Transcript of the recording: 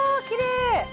きれい！